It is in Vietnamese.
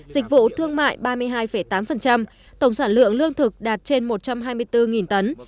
dịch vụ thương mại ba mươi hai tám tổng sản lượng lương thực đạt trên một trăm hai mươi bốn tấn